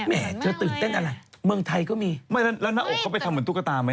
แม่เธอตื่นเต้นอะไรเมืองไทยก็มีไม่แล้วหน้าอกเขาไปทำเหมือนตุ๊กตาไหม